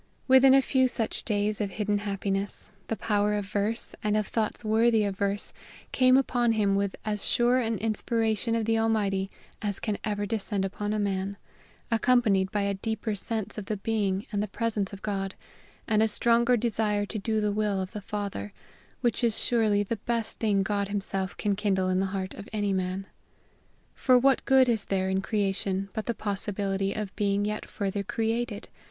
Within a few such days of hidden happiness, the power of verse, and of thoughts worthy of verse, came upon him with as sure an inspiration of the Almighty as can ever descend upon a man, accompanied by a deeper sense of the being and the presence of God, and a stronger desire to do the will of the Father, which is surely the best thing God himself can kindle in the heart of any man. For what good is there in creation but the possibility of being yet further created?